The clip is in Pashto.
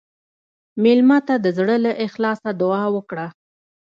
مېلمه ته د زړه له اخلاصه دعا وکړه.